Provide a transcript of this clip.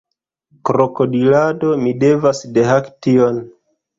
Krokodilado, mi devas dehaki tion!